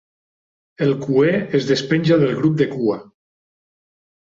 El cuer es despenja del grup de cua.